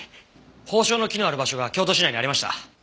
芳樟の木のある場所が京都市内にありました。